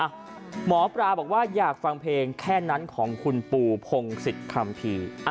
หมอปลาบอกว่าอยากฟังเพลงแค่นั้นของคุณปู่พงศิษย์คัมภีร์